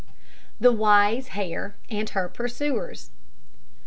THE WISE HARE AND HER PURSUERS.